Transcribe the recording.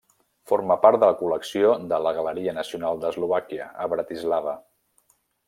Forma part de la col·lecció de la Galeria Nacional d'Eslovàquia, a Bratislava.